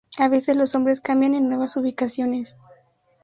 A veces los nombres cambian en nuevas ubicaciones.